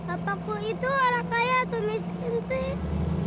apakah itu orang kaya atau miskin sih